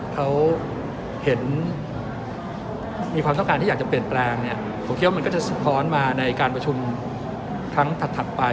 เขาเห็นมีความต้องการที่อยากจะเปลี่ยนแปลงเนี่ยผมคิดว่ามันก็จะสะท้อนมาในการประชุมครั้งถัดไป